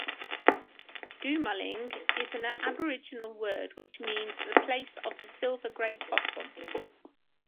Goomalling is an Aboriginal word which means "the place of the silver-grey possum".